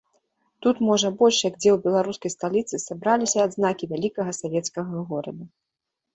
Тут, можа, больш як дзе ў беларускай сталіцы, сабраліся адзнакі вялікага савецкага горада.